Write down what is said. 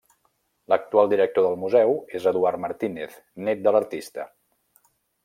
L'actual director del museu és Eduard Martínez, nét de l'artista.